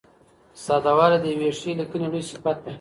ساده والی د یوې ښې لیکنې لوی صفت دئ.